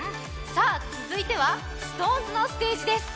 続いてはＳｉｘＴＯＮＥＳのステージです。